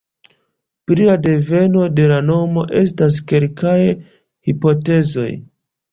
Pri la deveno de la nomo estas kelkaj hipotezoj.